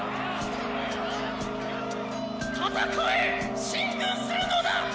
「戦え！進軍するのだ！